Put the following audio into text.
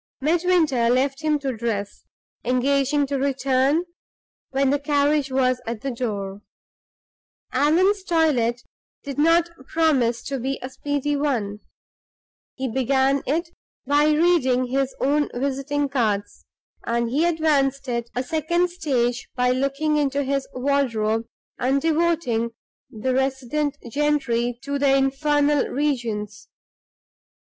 Midwinter left him to dress, engaging to return when the carriage was at the door. Allan's toilet did not promise to be a speedy one. He began it by reading his own visiting cards; and he advanced it a second stage by looking into his wardrobe, and devoting the resident gentry to the infernal regions.